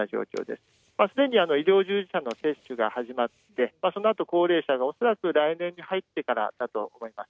すでに医療従事者の接種が始まって、そのあと高齢者、恐らく来年に入ってからだと思います。